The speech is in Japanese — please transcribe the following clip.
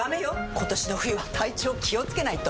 今年の冬は体調気をつけないと！